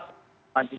kami sangat berharap